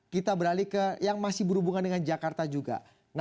kita beralih ke yang masih berhubungan dengan jakarta juga